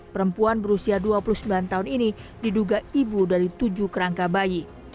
perempuan berusia dua puluh sembilan tahun ini diduga ibu dari tujuh kerangka bayi